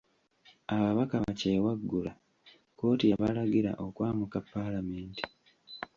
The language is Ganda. Ababaka bakyewaggula kkooti yabalagira okwamuka paalamenti.